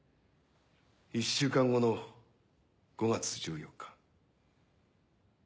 １週間後の５月１４日。